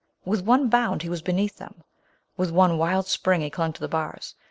Witli one bound he was beneath them — with one wild spring he clung to the bars.